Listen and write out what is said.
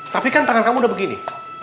tapi kan tangan kamu udah begini